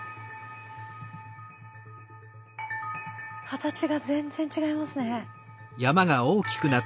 形が全然違いますね。